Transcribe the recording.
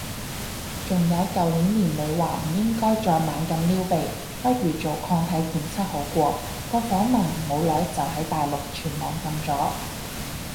仲有舊年年尾話唔應該再猛咁撩鼻，不如做抗體檢測好過，個訪問冇耐就喺大陸全網禁咗